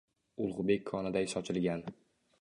Ulug’bek qoniday sochilgan